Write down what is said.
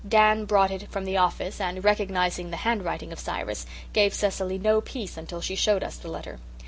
Dan brought it from the office and, recognizing the handwriting of Cyrus, gave Cecily no peace until she showed us the letter.